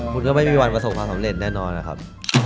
คุณก็ไม่มีวันประสบความสำเร็จแน่นอนนะครับ